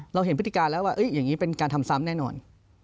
เราเห็นพฤติการแล้วว่าอย่างนี้เป็นการทำซ้ำแน่นอน